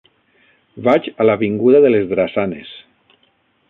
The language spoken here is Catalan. Vaig a l'avinguda de les Drassanes.